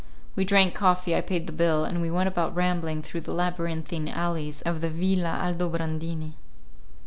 We drank coffee, I paid the bill, and we went about rambling through the labyrinthine alleys of the Villa Aldobrandini.